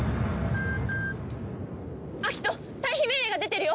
アキト退避命令が出てるよ！